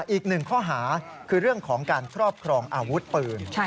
อีกหนึ่งข้อหาคือเรื่องของการครอบครองอาวุธปืน